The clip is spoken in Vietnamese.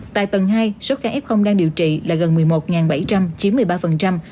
tại tầng hai số ca f đang điều trị là gần một mươi một bảy trăm linh chiếm một mươi ba